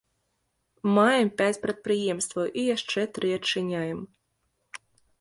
Маем пяць прадпрыемстваў і яшчэ тры адчыняем.